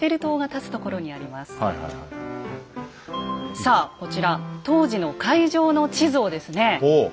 さあこちら当時の会場の地図をですね